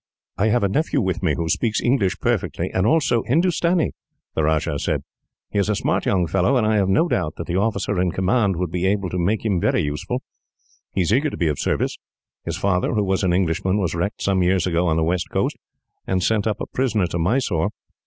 "I have a nephew with me who speaks English perfectly, and also Hindustani," the Rajah said. "He is a smart young fellow, and I have no doubt that the officer in command would be able to make him very useful. He is eager to be of service. His father, who was an Englishman, was wrecked some years ago on the west coast, and sent up a prisoner to Mysore.